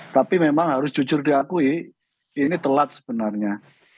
tapi memang harus jujur diakui ini telat sebenarnya